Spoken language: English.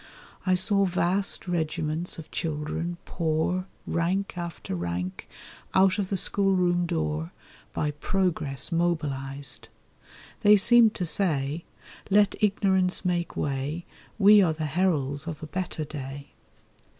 I saw vast regiments of children pour, Rank after rank, out of the schoolroom door By Progress mobilised. They seemed to say: 'Let ignorance make way. We are the heralds of a better day.